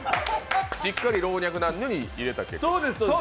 しっかり老若男女に聞いた結果。